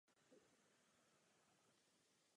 Vedle zřícenin fary stojí bývalá škola.